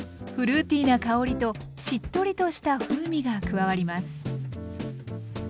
フルーティーな香りとしっとりとした風味が加わります。